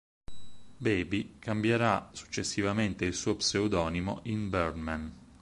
Baby cambierà successivamente il suo pseudonimo in Birdman.